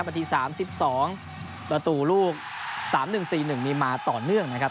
นาที๓๒ประตูลูก๓๑๔๑มีมาต่อเนื่องนะครับ